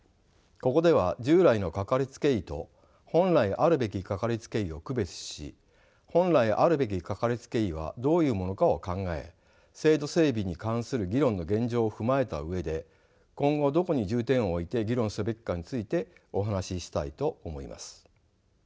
ここでは従来のかかりつけ医と本来あるべきかかりつけ医を区別し本来あるべきかかりつけ医はどういうものかを考え制度整備に関する議論の現状を踏まえた上で今後どこに重点を置いて議論すべきかについてお話ししたいと思います。